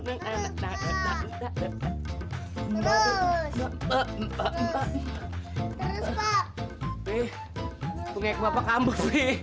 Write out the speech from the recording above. punggik bapak kambuk pi